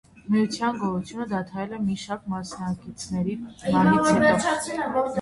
Միության գոյությունը դադարել է մի շարք մասնակիցների մահից հետո։